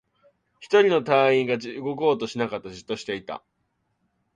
一人の隊員が動こうとしなかった。じっとしていた。